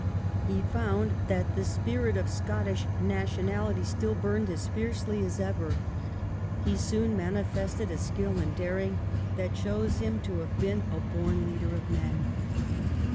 He found that the spirit of Scottish nationality still burnt as fiercely as ever. He soon mani fested a skill and daring that shows him to have been a born leader of men.